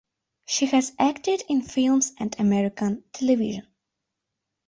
She has acted in films and American television.